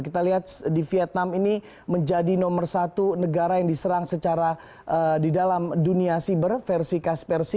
kita lihat di vietnam ini menjadi nomor satu negara yang diserang secara di dalam dunia siber versi kaspersi